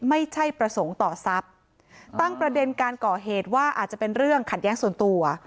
ไม่ใช่ประสงค์ต่อทรัพย์ตั้งประเด็นการก่อเหตุว่าอาจจะเป็นเรื่องขัดแย้งส่วนตัว